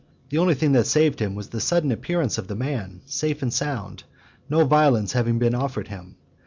The only thing that saved him, was the sudden appearance of the man, safe and sound, no violence having been offered him.